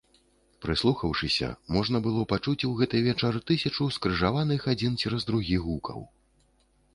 Прыслухаўшыся, можна было пачуць у гэты вечар тысячу скрыжаваных, адзін цераз другі, гукаў.